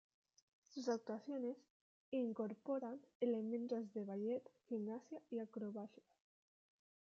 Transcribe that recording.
Sus actuaciones incorporan elementos de ballet, gimnasia y acrobacias.